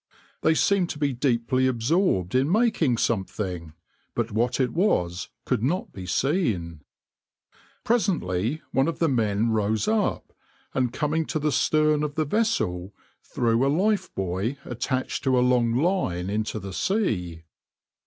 They seemed to be deeply absorbed in making something, but what it was could not be seen. Presently one of the men rose up, and coming to the stern of the vessel threw a lifebuoy attached to a long line into the sea.